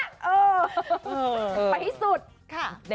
เออไปที่สุด